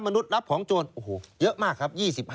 นุษยรับของโจรโอ้โหเยอะมากครับ